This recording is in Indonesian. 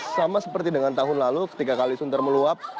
sama seperti dengan tahun lalu ketika kalisunter meluap